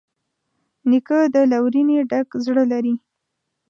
نیکه د لورینې ډک زړه لري.